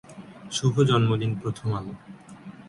শুভ জন্মদিন প্রথম আলো।